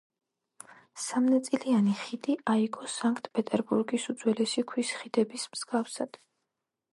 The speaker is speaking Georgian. სამნაწილიანი ხიდი აიგო სანქტ-პეტერბურგის უძველესი ქვის ხიდების მსგავსად.